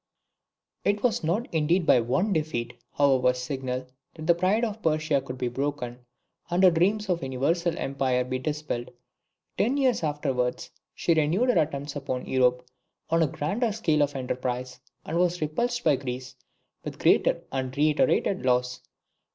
] It was not indeed by one defeat, however signal, that the pride of Persia could be broken, and her dreams of universal empire be dispelled. Ten years afterwards she renewed her attempts upon Europe on a grander scale of enterprise, and was repulsed by Greece with greater and reiterated loss.